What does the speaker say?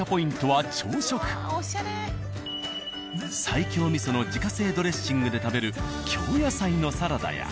西京味噌の自家製ドレッシングで食べる京野菜のサラダや。